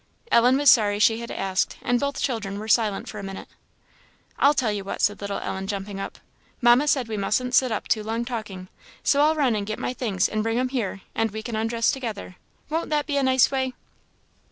Ellen was sorry she had asked, and both children were silent for a minute. "I'll tell you what," said little Ellen, jumping up "Mamma said we mustn't sit up too long talking, so I'll run and get my things and bring 'em here, and we can undress together; won't that be a nice way?"